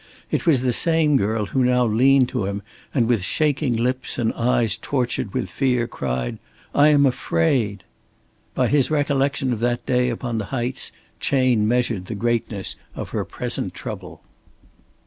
It was the same girl who now leaned to him and with shaking lips and eyes tortured with fear cried, "I am afraid." By his recollection of that day upon the heights Chayne measured the greatness of her present trouble.